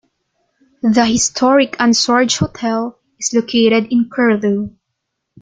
The historic Ansorge Hotel is located in Curlew.